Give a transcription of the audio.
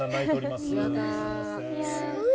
すごい。